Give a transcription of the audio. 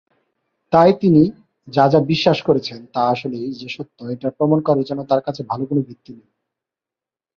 তাই তিনি যা যা বিশ্বাস করছেন তা আসলেই যে সত্য এটা প্রমাণ করার জন্য তার কাছে ভাল কোন ভিত্তি নেই।